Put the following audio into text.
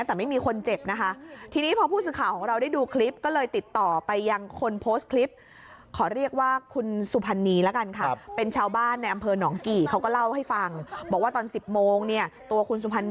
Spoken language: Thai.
แต่ไม่มีคนเจ็บนะคะ